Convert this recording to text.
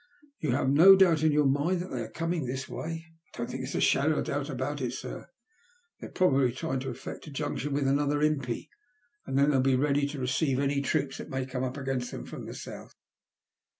''You have no doubt in your mind that they are coming this way ?"'' I don't think there's a shadow of a doubt about it, sir. They're probably trying to effect a junction with another impi, and then they'll be ready to receive any troops that may come up against them from the South."